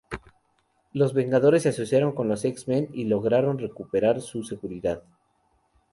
Los Vengadores se asociaron con los X-Men y lograron recuperar su seguridad.